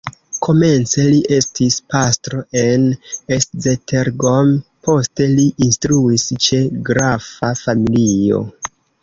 Komence li estis pastro en Esztergom, poste li instruis ĉe grafa familio.